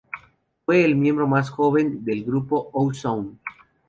Fue el miembro más joven del grupo O-Zone.